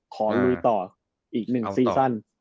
ลุยต่ออีกหนึ่งซีซั่น